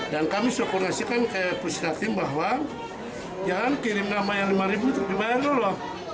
dan kami sokongasikan ke pusat tim bahwa jangan kirim nama yang lima ribu terlibat dulu